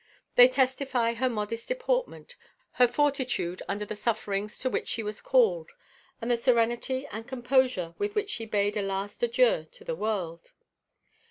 They testify her modest deportment, her fortitude under the sufferings to which she was called, and the serenity and composure with which she bade a last adieu to the world.